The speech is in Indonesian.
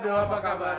aduh apa kabar